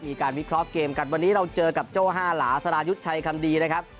มีการวิเคราะห์เกมกันวันนี้เราเจอกับโจ้ห้าหลาสรายุทธ์ชัยคำดีนะครับ